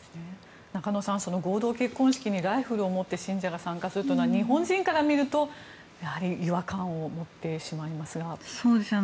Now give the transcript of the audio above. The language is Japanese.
中野さん、合同結婚式にライフルを持って信者らが参加するというのは日本人から見ると、やはり違和感を持ってしまいますが。